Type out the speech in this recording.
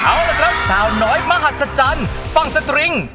เอาละครับสาวน้อยมหัศจรรย์ฟังสตริง